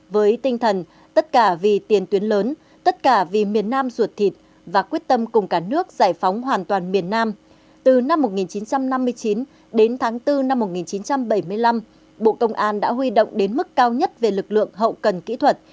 với tinh thần tất cả vì tiền tuyến lớn tất cả vì miền nam ruột thịt và quyết tâm cùng cả nước giải phóng hoàn toàn miền nam từ năm một nghìn chín trăm năm mươi chín đến tháng bốn năm một nghìn chín trăm bảy mươi năm bộ công an đã huy động đến mức cao nhất về lực lượng hậu cần kỹ thuật